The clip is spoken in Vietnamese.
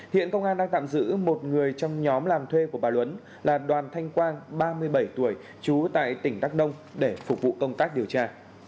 hiện công an đang tạm giữ một người trong nhóm làm thuê của bà lung là đoàn thanh quang ba mươi bảy tuổi trú tại tỉnh đắk nông để phục vụ công tác điều tra